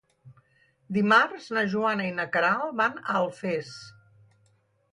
Dimarts na Joana i na Queralt van a Alfés.